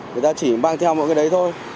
người ta chỉ mang theo mọi cái đấy thôi